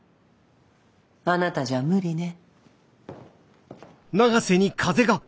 あなたじゃ無理ね。